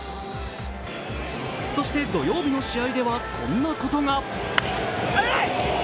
そして土曜日の試合では、こんなことが。